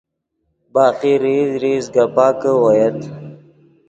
باقی ریز ریز گپاکے اویت